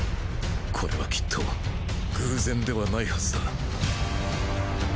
これはきっと偶然ではないハズだ